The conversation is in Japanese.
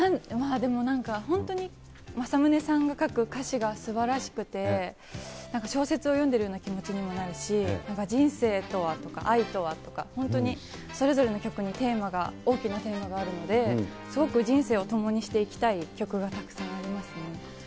まあでもなんか、本当にまさむねさんが書く歌詞がすばらしくて、なんか小説を読んでるような気持にもなるし、人生とはとか、愛とはとか、本当にそれぞれの曲に大きなテーマがあるので、すごく人生を共にしていきたい曲がたくさんありますね。